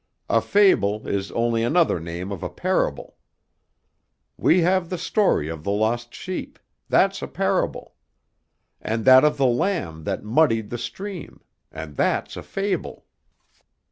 A fable is only another name of a parable. We have the story of the lost sheep; that's a parable; and that of the lamb that muddied the stream, and that's a fable.